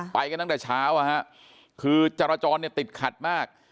ไปกันตั้งแต่เช้าคือจราจรเนี่ยติดขัดมาก